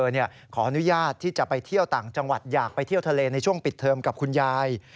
ขออนุญาตที่จะไปเที่ยวต่างจังหวัดอยากไปเที่ยวทะเลในช่วงปิดเทิมกับคุณยาย